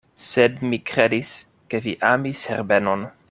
Sed mi kredis, ke vi amis Herbenon.